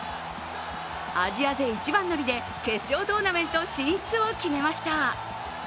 アジア勢一番乗りで決勝トーナメント進出を決めました。